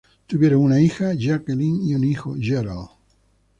Tuvieron una hija, Jacqueline, y un hijo, Gerald.